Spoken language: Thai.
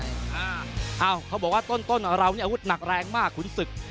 อ้าวเขาบอกว่าต้นเรานี่อาวุธหนักแรงมากขุนศึก